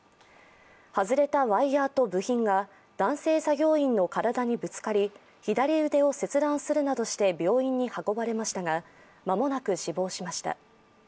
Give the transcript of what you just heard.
外れたワイヤーと部品が男性作業員の体にぶつかり左腕を切断するなどして病院に運ばれましたが、まもなく死亡しました。